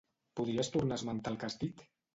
Podries tornar a esmentar el que has dit?